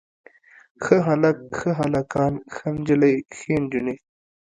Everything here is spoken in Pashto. ښه هلک، ښه هلکان، ښه نجلۍ ښې نجونې.